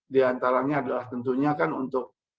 diantaranya adalah tentunya kan untuk